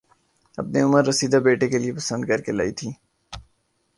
اپنے عمر رسیدہ بیٹے کےلیے پسند کرکے لائی تھیں